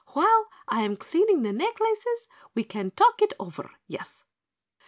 "While I am cleaning the necklaces we can talk it over, yes?"